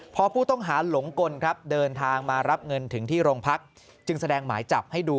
พอผู้ต้องหาหลงกลครับเดินทางมารับเงินถึงที่โรงพักจึงแสดงหมายจับให้ดู